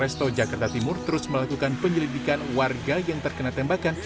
resto jakarta timur terus melakukan penyelidikan warga yang terkena tembakan